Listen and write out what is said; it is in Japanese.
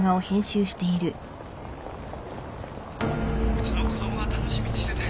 うちの子供が楽しみにしてて。